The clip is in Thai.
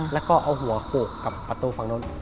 แล้วก็เอาหัวโขกกับประตูฝั่งนู้น